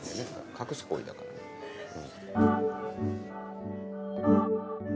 隠す行為だからねうん。